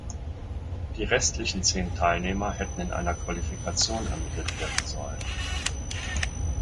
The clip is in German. Die restlichen zehn Teilnehmer hätten in einer Qualifikation ermittelt werden sollen.